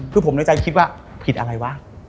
คือผมในใจคิดว่าผิดอะไรวะ